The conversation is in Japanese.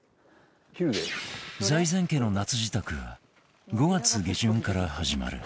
財前家の夏支度は５月下旬から始まる